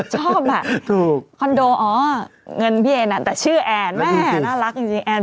ชอบอ่ะคอนโดอ๋อเงินพี่แอนแต่ชื่อแอนแม่น่ารักจริงแอน